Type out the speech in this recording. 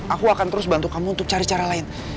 aku akan terus bantu kamu untuk cari cara lain